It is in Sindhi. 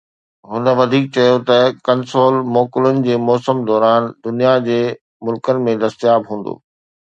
هن وڌيڪ چيو ته ڪنسول موڪلن جي موسم دوران دنيا جي ملڪن ۾ دستياب هوندو